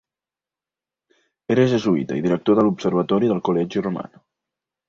Era jesuïta i director de l'observatori del Collegio Romano.